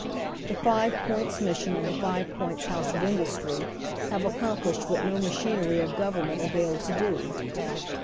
The Five Points Mission and the Five Points House of Industry have accomplished what no machinery of government availed to do.